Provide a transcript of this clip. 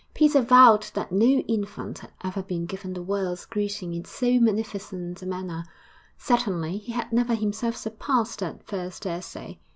Peter vowed that no infant had ever been given the world's greeting in so magnificent a manner; certainly he had never himself surpassed that first essay.